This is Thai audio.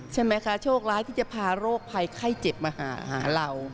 ใช่ไหมคะโชคร้ายที่จะพาโรคภัยไข้เจ็บมาหาเรา